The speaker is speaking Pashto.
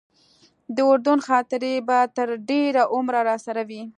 د اردن خاطرې به تر ډېره عمره راسره وي.